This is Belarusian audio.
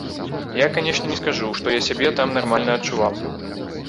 Я, канечне, не скажу, што я сябе там нармальна адчуваў.